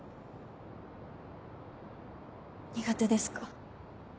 苦手ですか？